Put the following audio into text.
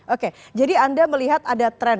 oke jadi anda melihat ada tren